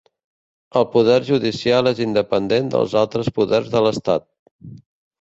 El poder judicial és independent dels altres poders de l'estat.